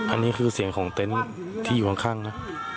อันนี้คือเสียงของเต็นต์ที่อยู่ข้างนะ